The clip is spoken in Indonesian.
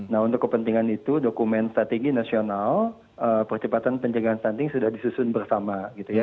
nah untuk kepentingan itu dokumen strategi nasional percepatan penjagaan stunting sudah disusun bersama gitu ya